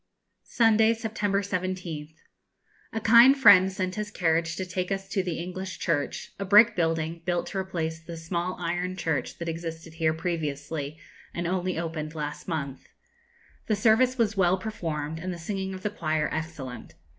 Sunday, September 17th. A kind friend sent his carriage to take us to the English church, a brick building, built to replace the small iron church that existed here previously, and only opened last month. The service was well performed, and the singing of the choir excellent.